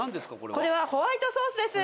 これはホワイトソースです。